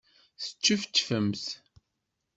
Teččefčfemt?